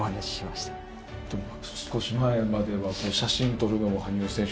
少し前までは写真撮るのも羽生選手。